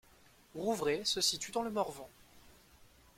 Rouvray se situe dans le Morvan.